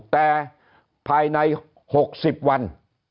แต่ภายใน๖๐วัน